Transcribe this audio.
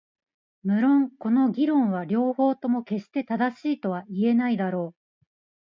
無論この議論は両方とも決して正しいとは言えないだろう。